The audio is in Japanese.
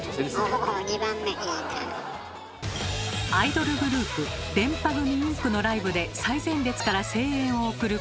アイドルグループでんぱ組．ｉｎｃのライブで最前列から声援を送る